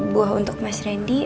buah untuk mas randy